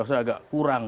terus agak kurang